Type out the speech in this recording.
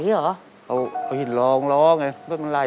อเรนนี่ต้องมีวัคซีนตัวหนึ่งเพื่อที่จะช่วยดูแลพวกม้ามและก็ระบบในร่างกาย